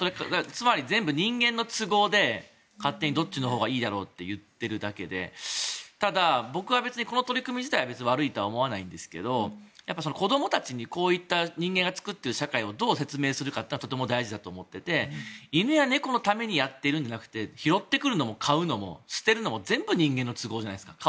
つまり、全部人間の都合で勝手にどっちのほうがいいだろうって言っているだけでただ、僕は別にこの取り組み自体は悪いとは思わないんですが子どもたちにこういった人間が作っている社会をどう説明するかってとても大事だと思っていて犬や猫のためにやってるんじゃなくて拾ってくるのも飼うのも捨てるのも全部人間の都合じゃないですか。